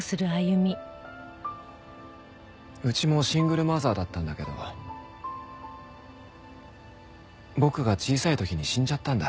うちもシングルマザーだったんだけど僕が小さい時に死んじゃったんだ。